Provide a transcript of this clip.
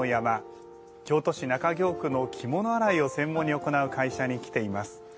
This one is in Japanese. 京都市中京区の着物洗いを専門に行う会社に来ています。